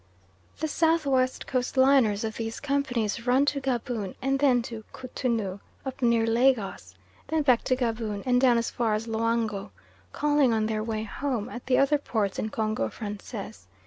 The South west Coast liners of these companies run to Gaboon and then to Koutonu, up near Lagos, then back to Gaboon, and down as far as Loango, calling on their way home at the other ports in Congo Francais.